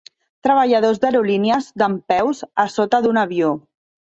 Treballadors d'aerolínies dempeus a sota d'un avió.